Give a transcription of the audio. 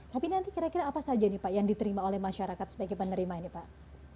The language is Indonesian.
tapi nanti kira kira apa saja nih pak yang diterima oleh masyarakat sebagai penerima ini pak